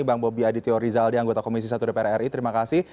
bang bobby aditya rizal di anggota komisi satu dpr ri terima kasih